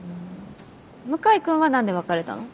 向井君は何で別れたの？